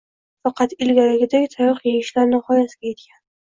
Faqat ilgarigiday tayoq yeyishlar nihoyasiga yetgan!